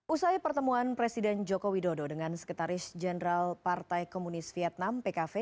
usai pertemuan presiden joko widodo dengan sekretaris jenderal partai komunis vietnam pkv